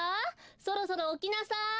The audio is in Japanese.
そろそろおきなさい！